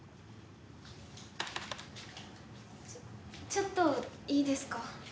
ちょっといいですか？